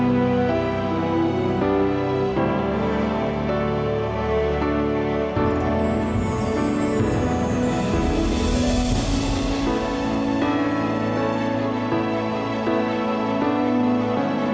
mempersimbahkan sebuah lagu untukmu